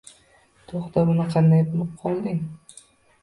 To`xta buni qanday bilib qolding